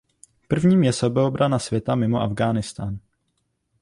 Prvním je sebeobrana světa mimo Afghánistán.